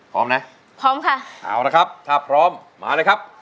พร้อมนะพร้อมค่ะเอาละครับถ้าพร้อมมาเลยครับ